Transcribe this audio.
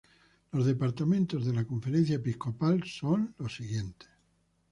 Los departamentos de la Conferencia Episcopal son los siguientes.